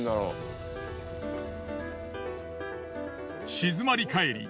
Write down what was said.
静まり返り